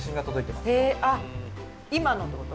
今のってこと？